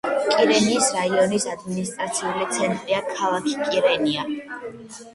კირენიის რაიონის ადმინისტრაციული ცენტრია ქალაქი კირენია.